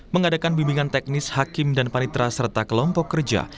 mengadakan bimbingan teknis hakim dan panitra serta kelompok kerja